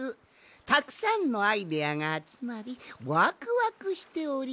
たくさんのアイデアがあつまりワクワクしております！